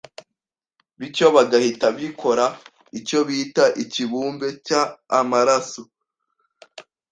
Bityo bigahita bikora icyo bita ikibumbe cya amaraso